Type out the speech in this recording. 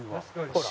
ほら。